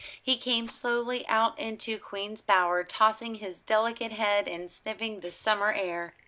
He came slowly out into Queen's Bower, tossing his delicate head and sniffing the summer air.